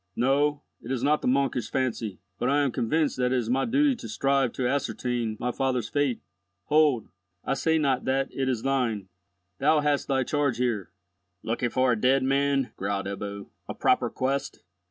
"No, it is not the monkish fancy, but I am convinced that it is my duty to strive to ascertain my father's fate. Hold, I say not that it is thine. Thou hast thy charge here—" "Looking for a dead man," growled Ebbo; "a proper quest!"